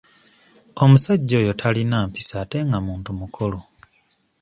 Omusajja oyo talina mpisa ate nga muntu mukulu.